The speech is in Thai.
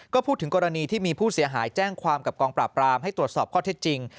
ก็พูดถึงกรณีที่มีผู้เสียหายแจ้งความกับกองปราบรามให้ตรวจสอบข้อเท็จจริง